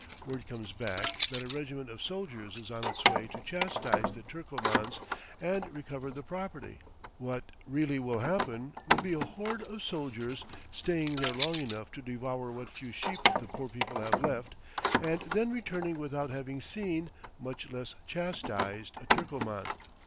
Word comes back that a regiment of soldiers is on its way to chastise the Turcomans and recover the property; what really will happen, will be a horde of soldiers staying there long enough to devour what few sheep the poor people have left, and then returning without having seen, much less chastised, a Turcoman.